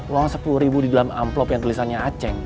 uang sepuluh ribu di dalam amplop yang tulisannya aceh